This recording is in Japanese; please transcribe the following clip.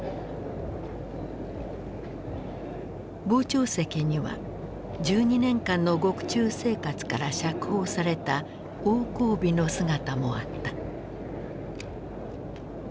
傍聴席には１２年間の獄中生活から釈放された王光美の姿もあった。